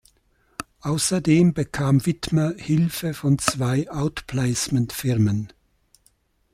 Außerdem bekam Widmer Hilfe von zwei Outplacement-Firmen.